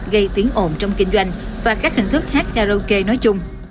gây tiếng ồn trong kinh doanh và các hình thức hát karaoke nói chung